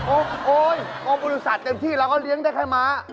โอ๊ยโอบอุตสัตย์เต็มที่เราก็เลี้ยงได้ใครมา